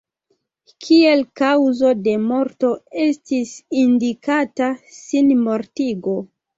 Kiel kaŭzo de morto estis indikita sinmortigo.